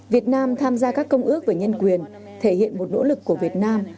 việt nam tham gia các công ước về nhân quyền thể hiện một nỗ lực của việt nam